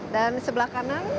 dan sebelah kanan